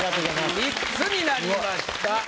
３つになりました。